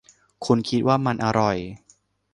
คุณคิดว่ามันอร่อย